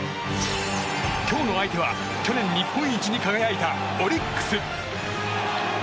今日の相手は去年日本一に輝いたオリックス。